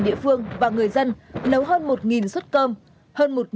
địa phương và người dân nấu hơn một suất cơm